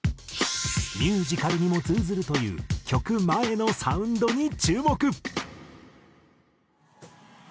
ミュージカルにも通ずるという曲前のサウンドに注目。